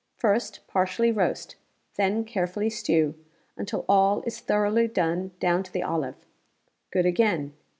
First, partially roast, then carefully stew until all is thoroughly done down to the olive. Good again.